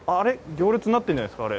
行列になってるんじゃないですか？